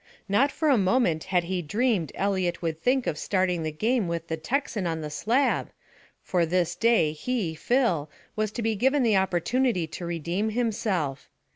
Not for a moment had he dreamed Eliot would think of starting the game with the Texan on the slab, for this day he, Phil, was to be given the opportunity to redeem himself.